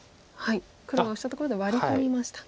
黒のオシたところでワリ込みました。